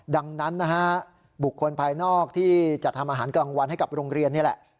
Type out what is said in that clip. ดังนั้นนะฮะบุคคลภายนอกที่จะทำอาหารกลางวันให้กับโรงเรียนนี่แหละ